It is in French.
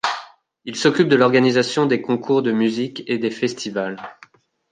Il s'occupe de l'organisation des concours de musique et des festivals.